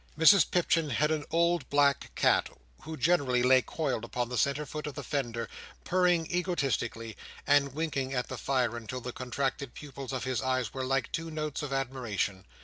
Mrs Pipchin had an old black cat, who generally lay coiled upon the centre foot of the fender, purring egotistically, and winking at the fire until the contracted pupils of his eyes were like two notes of admiration.